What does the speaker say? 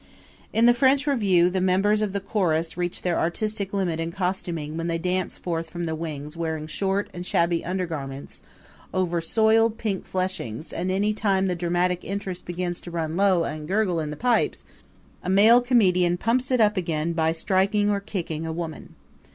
In the French revue the members of the chorus reach their artistic limit in costuming when they dance forth from the wings wearing short and shabby undergarments over soiled pink fleshings and any time the dramatic interest begins to run low and gurgle in the pipes a male comedian pumps it up again by striking or kicking a woman.